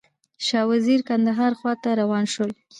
شاه او وزیر کندهار خواته روان شول.